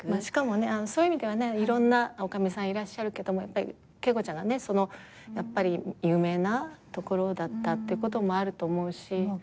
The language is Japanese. しかもそういう意味ではねいろんな女将さんいらっしゃるけども景子ちゃんがねやっぱり有名なところだったということもあると思うし。